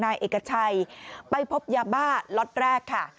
นายเอกชัยไปพบยาบ้าล็อตแรกค่ะ